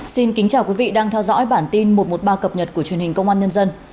xin kính chào quý vị đang theo dõi bản tin một trăm một mươi ba cập nhật của truyền hình công an nhân dân